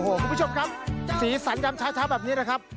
คุณผู้ชมครับสีสันดำเช้าแบบนี้นะครับ